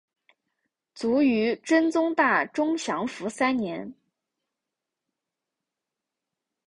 卒于真宗大中祥符三年。